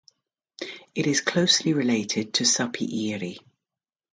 It is closely related to Supyire.